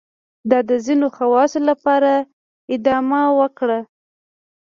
دا د ځینو خواصو لپاره ادامه وکړه.